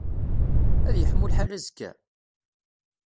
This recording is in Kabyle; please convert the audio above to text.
Ad yeḥmu lḥal azekka?